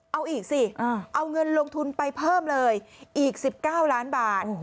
เอาอีกสิเอาเงินลงทุนไปเพิ่มเลยอีก๑๙ล้านบาท